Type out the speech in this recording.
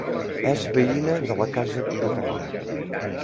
És veïna de la casa Català.